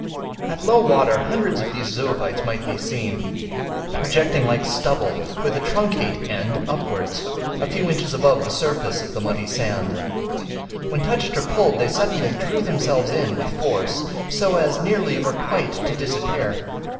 At low water hundreds of these zoophytes might be seen, projecting like stubble, with the truncate end upwards, a few inches above the surface of the muddy sand. When touched or pulled they suddenly drew themselves in with force, so as nearly or quite to disappear.